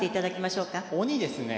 鬼ですね。